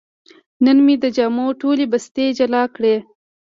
نن مې د جامو ټولې بستې جلا کړې.